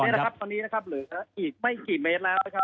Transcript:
แน่นอนครับตอนนี้นะครับหลายทีไม่กี่เมตรครับนะครับ